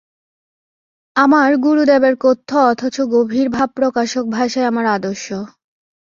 আমার গুরুদেবের কথ্য অথচ গভীরভাব-প্রকাশক ভাষাই আমার আদর্শ।